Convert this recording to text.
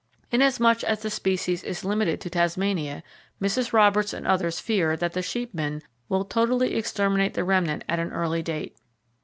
Inasmuch as the species is limited to [Page 39] Tasmania, Mrs. Roberts and others fear that the sheepmen will totally exterminate the remnant at an early date.